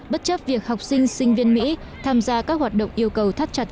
bất chấp việc học sinh sinh viên mỹ tham gia các hoạt động yêu cầu thắt chặt